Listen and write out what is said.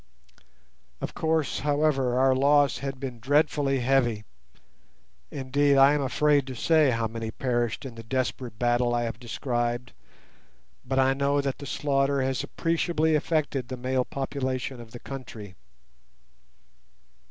Of course, however, our loss had been dreadfully heavy—indeed, I am afraid to say how many perished in the desperate battle I have described, but I know that the slaughter has appreciably affected the male population of the country.